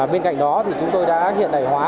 bên cạnh đó chúng tôi đã hiện đại hóa